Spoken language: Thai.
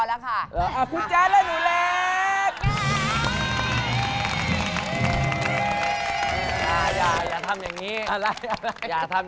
เอาไหม